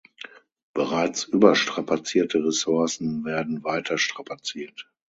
Bereits überstrapazierte Ressourcen werden weiter strapaziert.